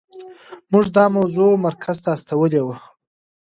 موږ دا موضوع مرکز ته استولې وه.